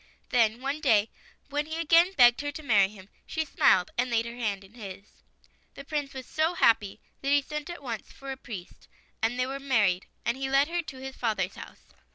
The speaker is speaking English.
Then, one day, when he again begged her to marry him, she smiled and laid her hand in his. The Prince was so happy that he sent at once for a priest, and they were married, and he led her to his father's house.